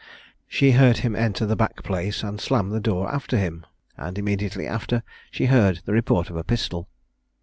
She heard him enter the back place and slam the door after him, and immediately after, she heard the report of a pistol.